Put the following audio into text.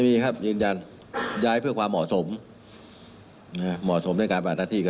ไม่เคยมี